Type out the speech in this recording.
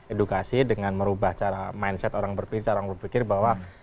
edukasi dengan merubah cara mindset orang berpikir cara orang berpikir bahwa